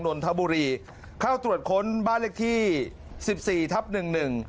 นนทบุรีเข้าตรวจค้นบ้านเลขที่สิบสี่ทับหนึ่งหนึ่ง